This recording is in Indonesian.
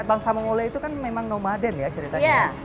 bangsa mongoleh itu kan memang nomaden ya ceritanya